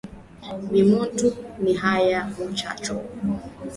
Bu muntu ni haya mumacho